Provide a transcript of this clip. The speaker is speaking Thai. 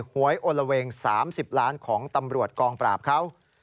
หวยโอละเวง๓๐ล้านของตำรวจกองปราบเขา